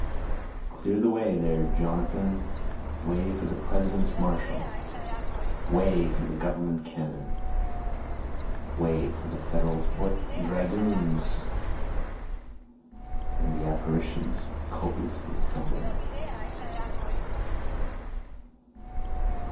Clear the way there Jonathan! Way for the President's marshal way for the government cannon! Way for the Federal foot and dragoons, (and the apparitions copiously tumbling.)